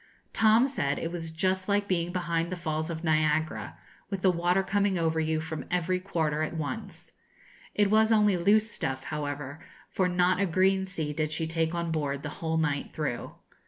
Tom said it was just like being behind the falls of Niagara, with the water coming over you from every quarter at once. It was only loose stuff, however, for not a green sea did she take on board the whole night through.